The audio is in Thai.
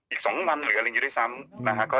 อีก๒วันอยู่สาม